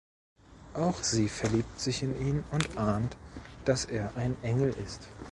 Auch sie verliebt sich in ihn und ahnt, dass er ein Engel ist.